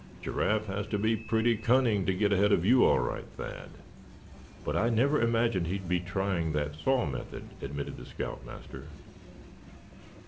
Giraffe has to be pretty cunning to get ahead of you, all right, Thad." "But I never imagined he'd be trying that saw method," admitted the scout master.